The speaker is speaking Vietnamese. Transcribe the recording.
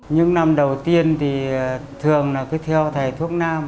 những năm đầu tiên thì thường là cứ theo thầy thuốc nam